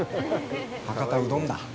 博多うどんだ。